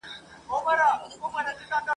پر موسم د توتکیو په خندا چي سرې غوټۍ سي ..